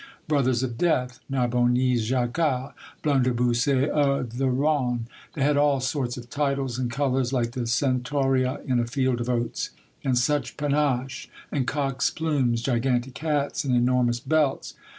Brothers of Death, Narbomiese Jackals, Bhinderbussers of the Rhone, — they had all sorts of titles and colors, like the centaurea in a field of oats ; and such panaches, and cock's plumes, gigantic hats, and enormous belts